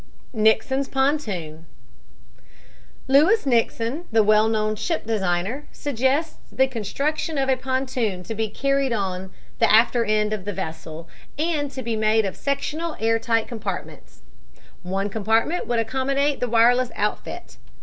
NIXON'S PONTOON Lewis Nixon, the well known ship designer, suggests the construction of a pontoon to be carried on the after end of the vessel and to be made of sectional air tight compartments. One compartment would accommodate the wireless outfit.